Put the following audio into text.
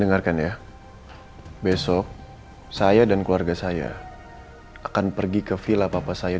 dan waduh primer kita